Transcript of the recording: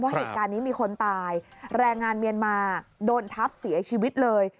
เหตุการณ์นี้มีคนตายแรงงานเมียนมาโดนทับเสียชีวิตเลย